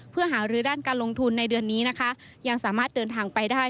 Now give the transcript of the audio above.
เพื่อหารือด้านการลงทุนในเดือนนี้นะคะยังสามารถเดินทางไปได้